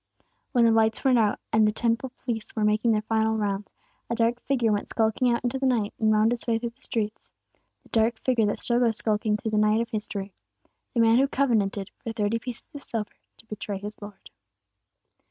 When the lights were out, and the Temple police were making their final rounds, a dark figure went skulking out into the night, and wound its way through the narrow streets, the dark figure that still goes skulking through the night of history, the man who covenanted for thirty pieces of silver to betray his Lord.